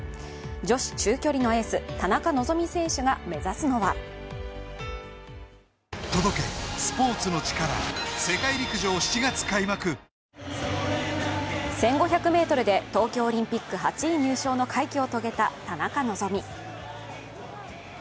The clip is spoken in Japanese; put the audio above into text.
女子中距離のエース、田中希実選手が目指すのは１５００ｍで東京オリンピック８位入賞の快挙を遂げた田中希実。